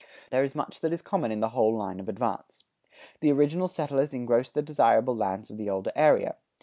There is much that is common in the whole line of advance. The original settlers engross the desirable lands of the older area.